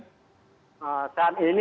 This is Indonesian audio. ya itu adalah posisi dari napi fauji ini